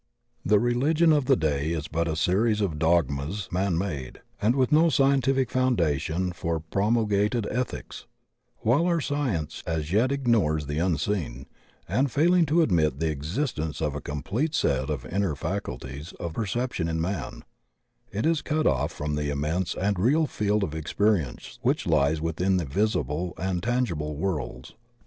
Hie reUgion of the day is but a series of dogmas man made 2 THE cx:ean of theosophy and with no scientific foundation for promulgated ethics; while our science as yet ignores the unseen, and failing to admit the existence of a complete set of inner faculties of perception in man, it is cut off from the immense and real field of experience which lies within the visible and tangible worlds.